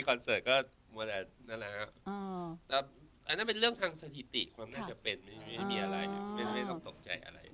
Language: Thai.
ก็บินเรื่องทางสถิติมีอะไร